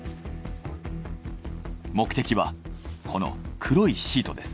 目的はこの黒いシートです。